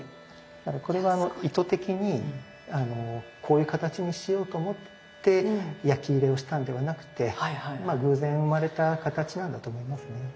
これは意図的にこういう形にしようと思って焼き入れをしたんではなくてまあ偶然生まれた形なんだと思いますね。